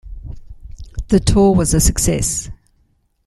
The tour was a success.